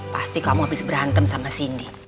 pasti kamu habis berantem sama cindy